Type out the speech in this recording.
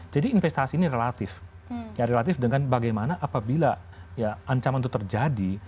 jadi investasi ini relatif ya relatif dengan bagaimana apabila ancaman itu terjadi